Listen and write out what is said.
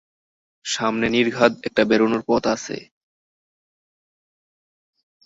সামনে নির্ঘাত একটা বেরোনোর পথ আছে।